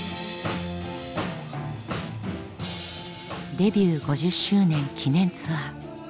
デビュー５０周年記念ツアー。